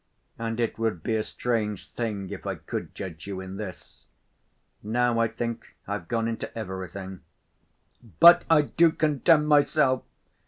And it would be a strange thing if I could judge you in this. Now I think I've gone into everything." "But I do condemn myself!"